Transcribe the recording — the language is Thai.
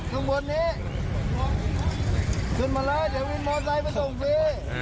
ถึงบนนี้ขึ้นมาน่ะเดี๋ยวพลิกมอไซด์ไปส่งฟรี